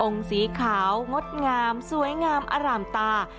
สีขาวงดงามสวยงามอร่ามตา